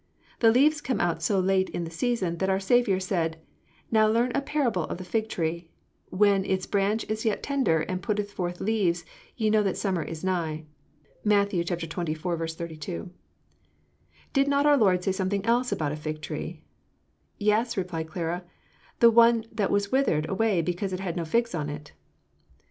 The leaves come out so late in the season that our Saviour said, 'Now learn a parable of the fig tree; when his branch is yet tender, and putteth forth leaves, ye know that summer is nigh.' Did not our Lord say something else about a fig tree?" Matt. xxiv. 32. "Yes," replied Clara; "the one that was withered away because it had no figs on it."